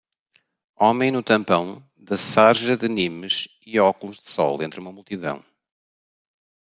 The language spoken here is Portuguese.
Homem no tampão da sarja de Nimes e óculos de sol entre uma multidão.